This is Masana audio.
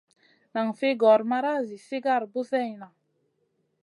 Nan fi gor mara zi sigar buseyna.